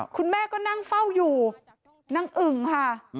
คุณแม่ก็นั่งเฝ้าอยู่นางอึ่งค่ะ